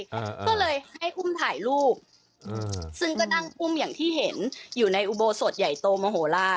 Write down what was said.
ก็เลยให้อุ้มถ่ายรูปอืมซึ่งก็นั่งอุ้มอย่างที่เห็นอยู่ในอุโบสถใหญ่โตมโหลาน